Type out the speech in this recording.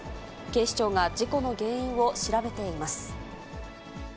警視庁が事故の原因を調べています。